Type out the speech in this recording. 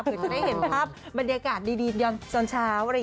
เผื่อจะได้เห็นภาพบรรยากาศดีจนเช้า